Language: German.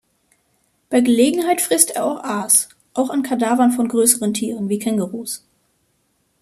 Bei Gelegenheit frisst er auch Aas, auch an Kadavern von größeren Tieren wie Kängurus.